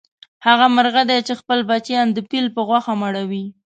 هغه مرغه دی چې خپل بچیان د پیل په غوښو مړوي.